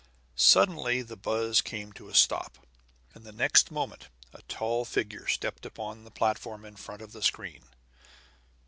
Suddenly the buzz came to a stop; and next moment a tall figure stepped upon the platform in front of the screen.